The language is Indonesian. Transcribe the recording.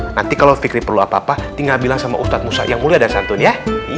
nanti kalau fikri perlu apa apa tinggal bilang sama ustadz musa yang mulia ada santun ya